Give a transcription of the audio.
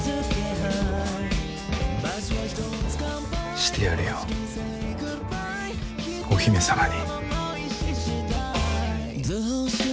してやるよお姫様に。